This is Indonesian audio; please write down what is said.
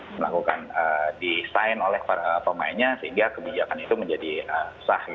melakukan design oleh pemainnya sehingga kebijakan itu menjadi sah